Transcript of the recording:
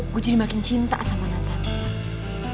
gue jadi makin cinta sama nathan